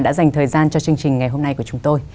đã dành thời gian cho chương trình ngày hôm nay của chúng tôi